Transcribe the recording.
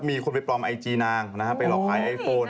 มีคนไปปลอมไอจีนางไปหลอกขายไอโฟน